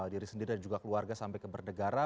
diri sendiri dan juga keluarga sampai ke bernegara